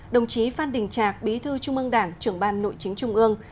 đồng chí phan đình trạc bí thư trung ương đảng trưởng ban nội chính trung ương